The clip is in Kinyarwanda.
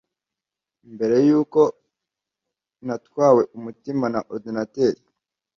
mbere ko natwawe umutima na orudinateri